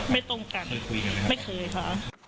ไม่เคยค่ะ